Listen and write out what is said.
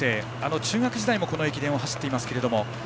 中学時代もこの駅伝を走っていますが。